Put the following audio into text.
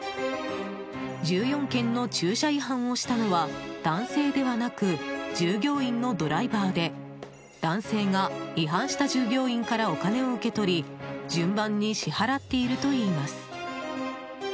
１４件の駐車違反をしたのは男性ではなく従業員のドライバーで男性が違反した従業員からお金を受け取り順番に支払っているといいます。